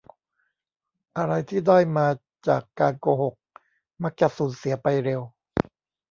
อะไรที่ได้มาจากการโกหกมักจะสูญเสียไปเร็ว